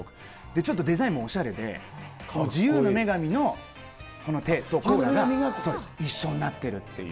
ちょっとデザインもおしゃれで、自由の女神のこの手とコーラが一緒になってるっていう。